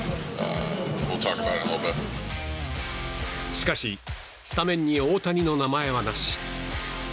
しかし、スタメンに大谷の名前はなし。